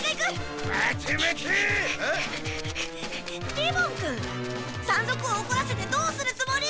利梵君山賊をおこらせてどうするつもり？